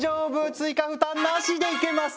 追加負担なしでいけます！